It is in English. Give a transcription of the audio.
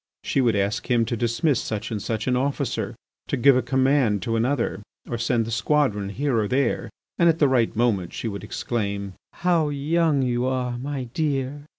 She would ask him to dismiss such and such an officer, to give a command to another, to send the squadron here or there. And at the right moment she would exclaim: "How young you are, my dear!"